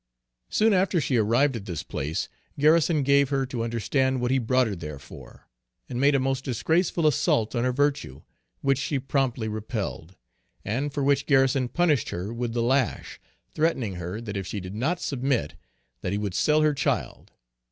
Soon after she arrived at this place, Garrison gave her to understand what he brought her there for, and made a most disgraceful assault on her virtue, which she promptly repeled; and for which Garrison punished her with the lash, threatening her that if she did not submit that he would sell her child.